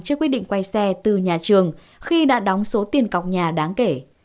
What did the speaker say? trước quyết định quay xe từ nhà trường khi đã đóng số tiền cọc nhà đáng kể